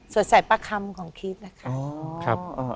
สวดใส่ปลาคำของคริสต์นะครับ